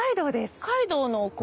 北海道のお米？